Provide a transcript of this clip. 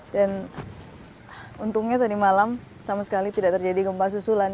dan untungnya tadi malam sama sekali tidak terjadi gempa susulan